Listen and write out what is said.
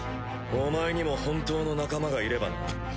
お前にも本当の仲間がいればな。